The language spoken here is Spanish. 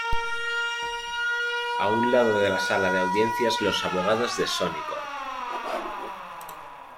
A un lado de la sala de audiencias los abogados de Sony Corp.